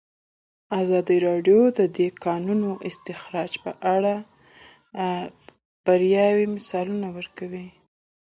ازادي راډیو د د کانونو استخراج په اړه د بریاوو مثالونه ورکړي.